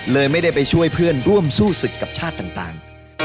ไม่ได้ไปช่วยเพื่อนร่วมสู้ศึกกับชาติต่าง